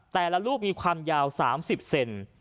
แต่ละลูกมีความยาว๓๐เซน